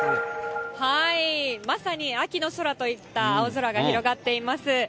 まさに秋の空といった青空が広がっています。